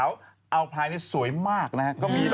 รอบไพรสวยมากนะ